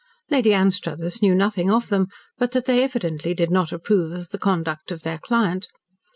Lady Anstruthers knew nothing of them, but that they evidently did not approve of the conduct of their client.